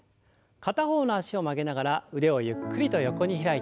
片方の脚を曲げながら腕をゆっくりと横に開いて。